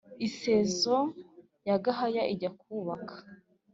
isezo ya gahaya ijya kubaka